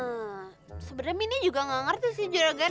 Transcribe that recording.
eemm sebenernya mindi juga gak ngerti sih juragan